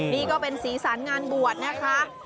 นี่ก็เป็นศีลสรรค์งานบวชนะคะ